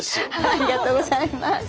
ありがとうございます。